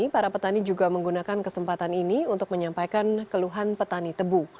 para petani juga menggunakan kesempatan ini untuk menyampaikan keluhan petani tebu